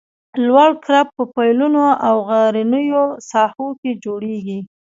لوړ کرب په پلونو او غرنیو ساحو کې جوړیږي